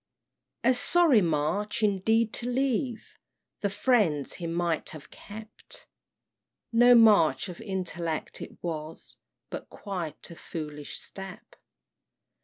"A sorry March indeed to leave The friends he might have kep', No March of Intellect it was, But quite a foolish step.